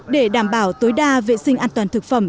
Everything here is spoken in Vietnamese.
để đảm bảo tối đa vệ sinh an toàn thực phẩm